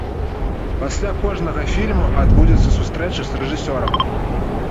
Пасля кожнага фільму адбудзецца сустрэча з рэжысёрам.